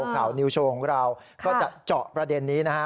ข่าวนิวโชว์ของเราก็จะเจาะประเด็นนี้นะฮะ